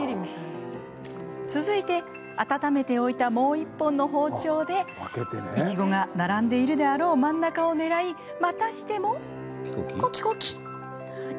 続いて、温めておいたもう１本の包丁でいちごが並んでいるであろう真ん中を狙いまたしてもコキコキ。